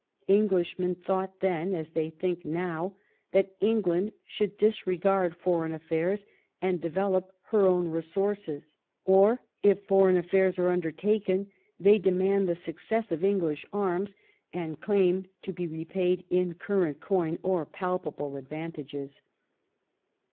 Englishmen thought then, as they think now, that England should disregard foreign affairs and develop her own resources ; or if foreign affairs are undertaken they demand the success of English arms, and claim to be repaid in current coin or palpable advantages.